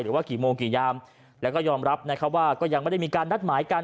หรือว่ากี่โมงกี่ยามแล้วก็ยอมรับนะครับว่าก็ยังไม่ได้มีการนัดหมายกัน